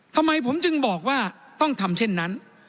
ทำไมผมจึงบอกว่าต้องทำเช่นนั้น